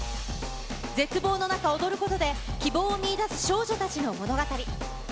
絶望の中、踊ることで希望を見いだす少女たちの物語。